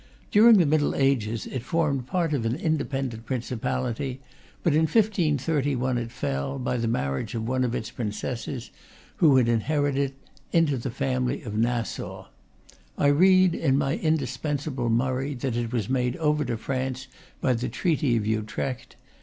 During the Middle Ages it formed part of an independent principality; but in 1531 it fell, by the marriage of one of its princesses, who had inherited it, into the family of Nassau. I read in my indispensable Mur ray that it was made over to France by the treaty of Utrecht.